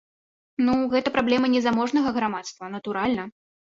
Ну, гэта праблема не заможнага грамадства, натуральна.